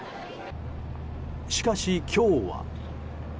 しかし、今日は。